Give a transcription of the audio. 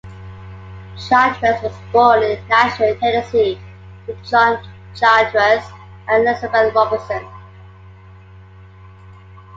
Childress was born in Nashville, Tennessee, to John Childress and Elizabeth Robertson.